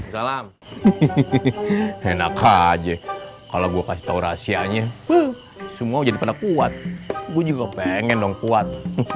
salam enak aja kalau gue kasih tau rahasianya semua jadi pada kuat gue juga pengen dong kuat